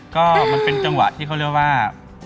ก็มันเป็นจังหวะที่เขาเรียกว่า